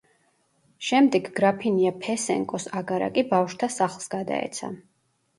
შემდეგ გრაფინია ფესენკოს აგარაკი ბავშვთა სახლს გადაეცა.